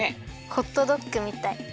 ホットドッグみたい。